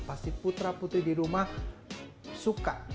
pasti putra putri di rumah suka